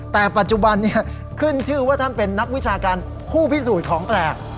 แต่ปัจจุบันนี้ขึ้นชื่อว่าท่านเป็นนักวิชาการผู้พิสูจน์ของแปลก